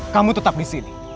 kamu tetap disini